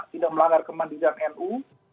tidak melanggar kemandirian nu